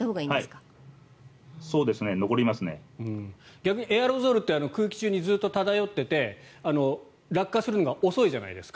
逆にエアロゾルって空気中にずっと漂ってて落下するのが遅いじゃないですか。